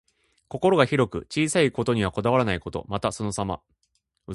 心が広く、小さいことにはこだわらないこと。また、そのさま。